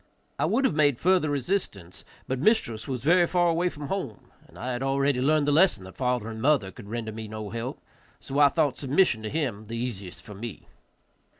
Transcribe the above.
I would have made further resistance, but mistress was very far away from home, and I had already learned the lesson that father and mother could render me no help, so I thought submission to him the easiest for me.